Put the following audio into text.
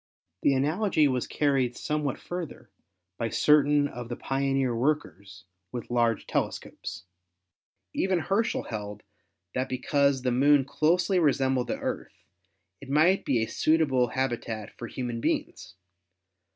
The analogy was carried somewhat further by certain of the pioneer workers with large telescopes. Even Herschel held that because the Moon closely resembled the Earth, it might be a suitable habitat for human beings.